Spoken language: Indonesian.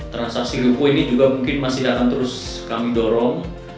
transaksi lipo ini juga mungkin masih akan terus kami dorong